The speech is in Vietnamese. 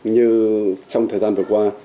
như trong thời gian vừa qua